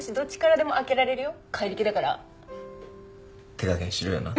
手加減しろよな。